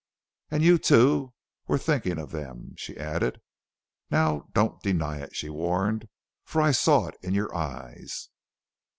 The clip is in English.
And you, too, were thinking of them," she added. "Now, don't deny it!" she warned, "for I saw it in your eyes!"